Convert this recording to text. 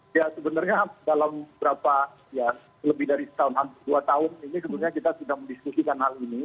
ya sebenarnya dalam berapa ya lebih dari setahun dua tahun ini sebenarnya kita sudah mendiskusikan hal ini